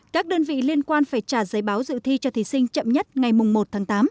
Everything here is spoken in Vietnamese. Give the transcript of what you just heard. các đơn vị liên quan phải trả giấy báo dự thi cho thí sinh chậm nhất ngày một tháng tám